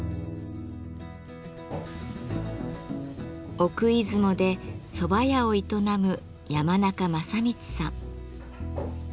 奥出雲で蕎麦屋を営む山中将道さん。